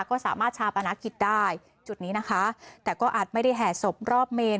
ก็สามารถชาปนกิจได้จุดนี้นะคะแต่ก็อาจไม่ได้แห่ศพรอบเมน